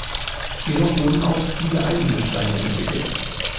Jedoch wurden auch viele eigene Steine entwickelt.